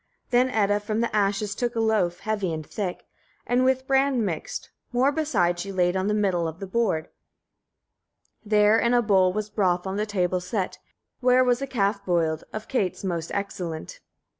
4. Then Edda from the ashes took a loaf, heavy and thick, and with bran mixed; more besides she laid on the middle of the board; there in a bowl was broth on the table set, there was a calf boiled, of cates most excellent.